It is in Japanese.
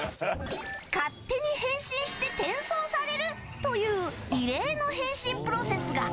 勝手に変身して転送されるという異例の変身プロセスが。